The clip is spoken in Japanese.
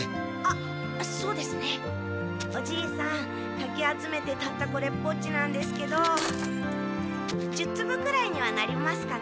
かき集めてたったこれっぽっちなんですけど１０つぶくらいにはなりますかね？